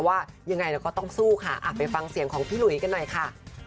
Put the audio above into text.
ว่ายังไงเราก็ต้องสู้ค่ะไปฟังเสียงของพี่หลุยกันหน่อยค่ะ